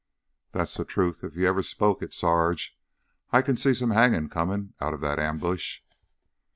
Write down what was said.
"That's the truth if you ever spoke it, Sarge. I can see some hangin's comin' out of that ambush."